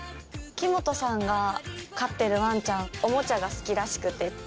木本さんが飼ってるワンちゃんおもちゃが好きらしくて。